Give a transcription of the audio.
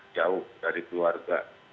jauh dari keluarga